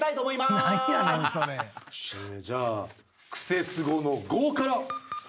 じゃあ「クセスゴ」の「ゴ」から。